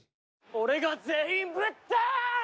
俺が全員ぶっ倒す！